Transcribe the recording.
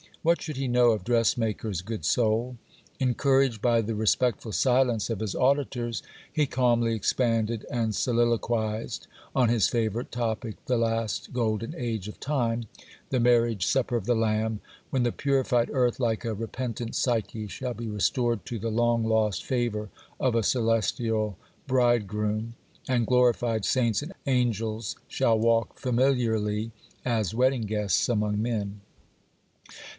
What should he know of dressmakers, good soul? Encouraged by the respectful silence of his auditors, he calmly expanded and soliloquized on his favourite topic, the last golden age of Time, the Marriage Supper of the Lamb, when the purified Earth, like a repentant Psyche, shall be restored to the long lost favour of a celestial Bridegroom, and glorified saints and angels shall walk familiarly as wedding guests among men.